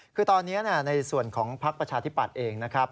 คือตอนนี้ในส่วนของพักประชาธิปัตย์เองนะครับ